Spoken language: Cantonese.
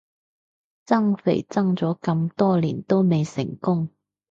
增肥增咗咁多年都未成功